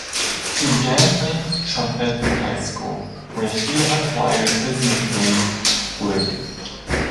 He began playing trumpet in high school, where he acquired his nickname, Blue.